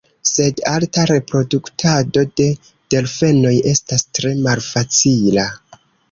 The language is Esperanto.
Sed arta reproduktado de delfenoj estas tre malfacila.